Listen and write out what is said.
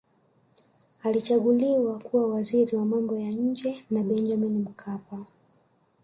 alichaguliwa kuwa waziri wa mambo ya nje na benjamini mkapa